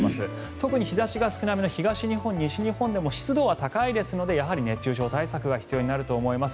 特に日差しが少なめの東日本、西日本でも湿度は高いですので熱中症対策が必要になると思います。